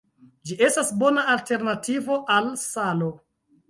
Ĝi estas bona alternativo al salo.